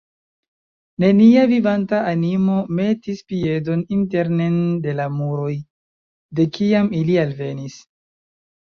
Nenia vivanta animo metis piedon internen de la muroj, de kiam ili alvenis.